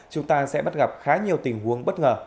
chúng ta sẽ bắt gặp khá nhiều tình huống bất ngờ